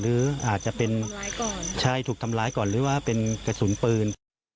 หรืออาจจะเป็นใช่ถูกทำร้ายก่อนหรือว่าเป็นกระสุนปืน